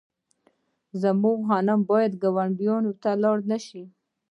زموږ غنم باید ګاونډیو ته لاړ نشي.